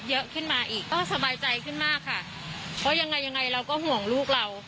เยอะขึ้นมาอีกก็สบายใจขึ้นมากค่ะเพราะยังไงยังไงเราก็ห่วงลูกเรา